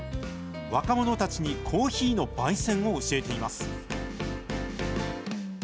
若者たちにコーヒーのばい煎を教えています。